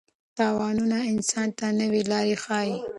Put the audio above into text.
تاوانونه انسان ته نوې لارې ښيي.